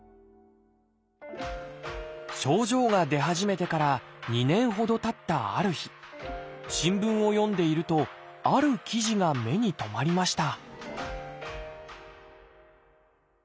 症状が出始めてから２年ほどたったある日新聞を読んでいるとある記事が目に留まりました